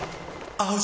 合う！！